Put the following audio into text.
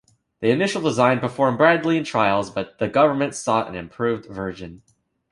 The initial design performed badly in trials but the Government sought an improved version.